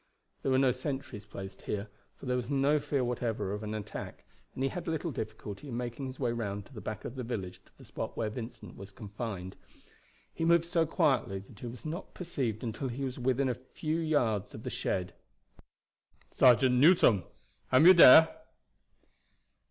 There were no sentries placed here, for there was no fear whatever of an attack, and he had little difficulty in making his way round to the back of the village to the spot where Vincent was confined. He moved so quietly that he was not perceived until he was within a few yards of the shed. "Sergeant Newson, am you dere?"